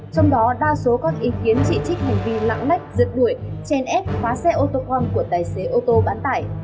trong đó đa số có ý kiến chỉ trích hành vi lãng lách rượt đuổi chèn ép phá xe ô tô con của tài xế ô tô bán tải